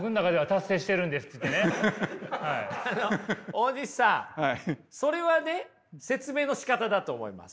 大西さんそれはね説明のしかただと思います。